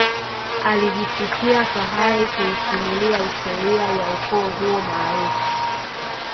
alijisikia fahari kuisimulia historia ya ukoo huo maarufu